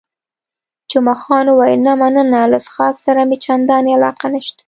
جمعه خان وویل، نه مننه، له څښاک سره مې چندانې علاقه نشته.